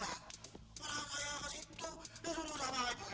orang orang yang kesitu disitu udah malah jenis